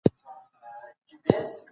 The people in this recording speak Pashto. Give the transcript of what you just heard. په ټولنه کي د پرېکړو پلي کول ګران کار دی.